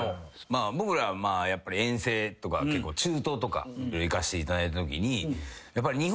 まあ僕らはやっぱり遠征とか結構中東とか行かせていただいたときに。